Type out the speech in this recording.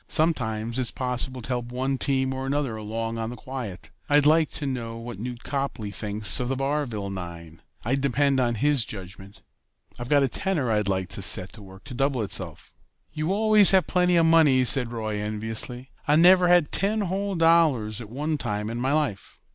Sometimes it's possible to help one team or another along on the quiet. I'd like to know what Newt Copley thinks of the Barville nine. I'd depend on his judgment. I've got a tenner I'd like to set to work to double itself." "You always have plenty of money," said Roy enviously. "I never had ten whole dollars at one time in my life."